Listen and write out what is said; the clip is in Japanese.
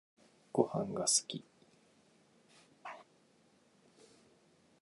ごはんが好き